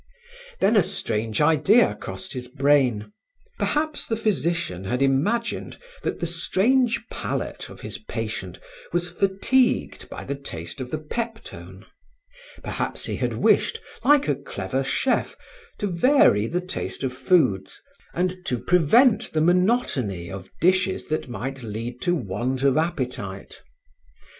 Then a strange idea crossed his brain. Perhaps the physician had imagined that the strange palate of his patient was fatigued by the taste of the peptone; perhaps he had wished, like a clever chef, to vary the taste of foods and to prevent the monotony of dishes that might lead to want of appetite.